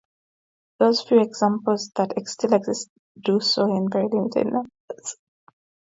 Those few examples that still exist today, do so in very limited numbers.